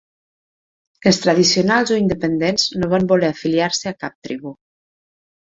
Els Tradicionals o independents no van voler afiliar-se a cap tribu.